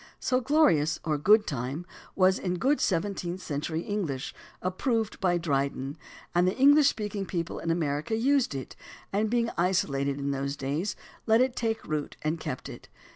So "glorious time" or "good time" was good seven teenth century English, approved by Dryden, and the English speaking people in America used it, and being isolated in those days, let it take root and kept it.